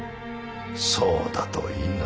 そうだといいが。